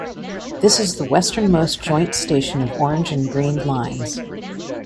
This is the westernmost joint station of Orange and Green lines.